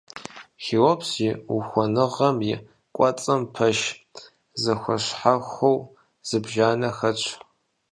Хеопс и ухуэныгъэм и кӀуэцӀым пэш зэхуэщхьэхуэу зыбжанэ хэтщ.